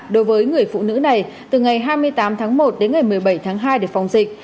đối với người phụ nữ này từ ngày hai mươi tám tháng một đến ngày một mươi bảy tháng hai để phòng dịch